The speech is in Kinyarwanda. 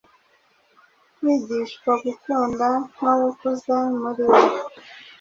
kwigishwa gukunda no gukuza muri we,